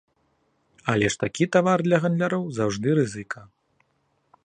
Але ж такі тавар для гандляроў заўжды рызыка.